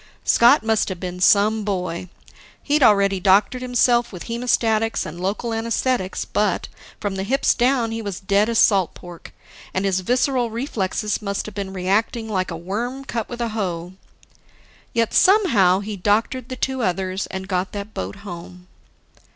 Scott must have been some boy. He'd already doctored himself with hemostatics and local anaesthetics but, from the hips down, he was dead as salt pork, and his visceral reflexes must have been reacting like a worm cut with a hoe. Yet somehow, he doctored the two others and got that boat home.